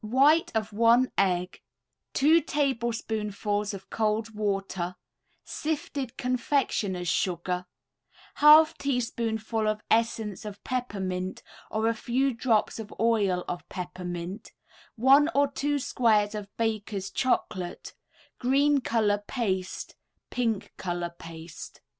] White of 1 egg, 2 tablespoonfuls of cold water, Sifted confectioner's sugar, 1/2 teaspoonful of essence of peppermint or a few drops of oil of peppermint, 1 or 2 squares of Baker's Chocolate, Green color paste, Pink color paste.